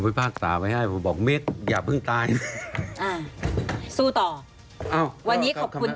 พอผมเอาคำพิพากษาไปให้